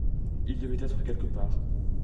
Il devait être quelque part.